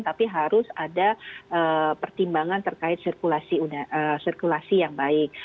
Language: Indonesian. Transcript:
tapi harus ada pertimbangan terkait sirkulasi yang baik